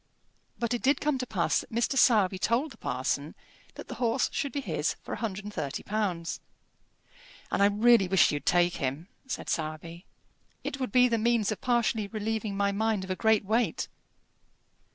But it did come to pass that Mr. Sowerby told the parson that the horse should be his for £130. "And I really wish you'd take him," said Sowerby. "It would be the means of partially relieving my mind of a great weight."